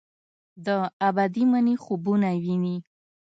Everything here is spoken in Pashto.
د ابدي مني خوبونه ویني